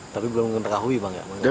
tapi belum diketahui bang ya